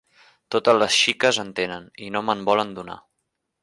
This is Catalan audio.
Totes les xiques en tenen i no me’n volen donar.